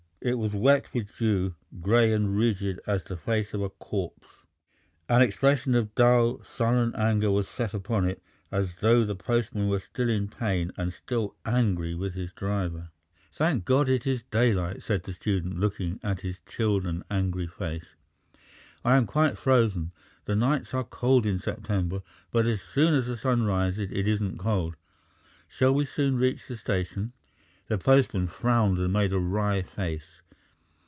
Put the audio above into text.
It was wet with dew, grey and rigid as the face of a corpse. An expression of dull, sullen anger was set upon it, as though the postman were still in pain and still angry with the driver. "Thank God it is daylight!" said the student, looking at his chilled and angry face. "I am quite frozen. The nights are cold in September, but as soon as the sun rises it isn't cold. Shall we soon reach the station?" The postman frowned and made a wry face.